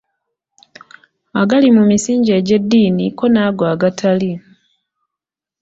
Agali mu misingi egy’eddiini ko n’ago agatali.